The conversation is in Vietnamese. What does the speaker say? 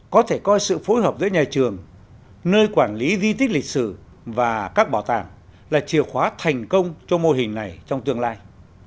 có thể coi sự phối hợp giữa nhà trường nơi quản lý di tích lịch sử và các bảo tàng là chìa khóa thành công cho mô hình này trong tương lai